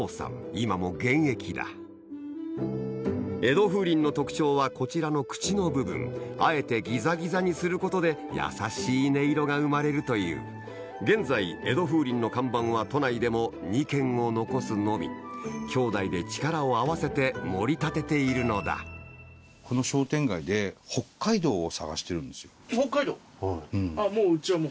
今も現役だ江戸風鈴の特徴はこちらの口の部分あえてギザギザにすることで優しい音色が生まれるという現在江戸風鈴の看板は都内でも２軒を残すのみ兄弟で力を合わせてもり立てているのだこの商店街で北海道を探してるんですよ。